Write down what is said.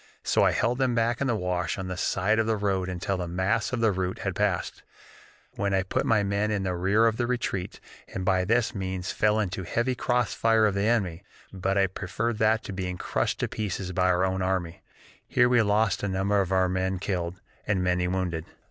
So I held them back in the wash on the side of the road until the mass of the rout had passed, when I put my men in the rear of the retreat, and by this means fell into a heavy cross fire of the enemy, but I preferred that to being crushed to pieces by our own army. Here we lost a number of our men killed, and many wounded.